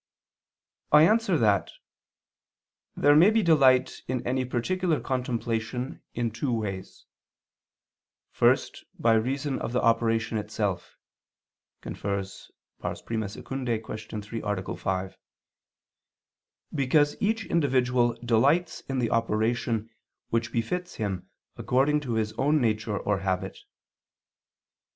I answer that, There may be delight in any particular contemplation in two ways. First by reason of the operation itself [*Cf. I II, Q. 3, A. 5], because each individual delights in the operation which befits him according to his own nature or habit.